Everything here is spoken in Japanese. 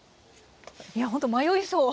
いやほんと迷いそう。